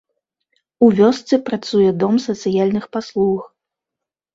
У вёсцы працуе дом сацыяльных паслуг.